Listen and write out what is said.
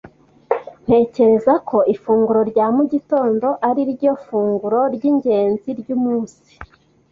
Ntekereza ko ifunguro rya mu gitondo ariryo funguro ryingenzi ryumunsi.